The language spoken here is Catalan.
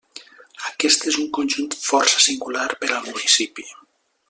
Aquest és un conjunt força singular per al municipi.